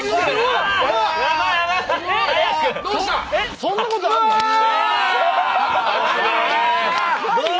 そんなことあんの？